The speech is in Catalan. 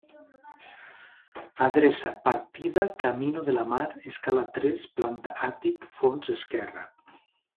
Adreça: partida Camino de la Mar, escala tres, planta àtic, fons esquerra.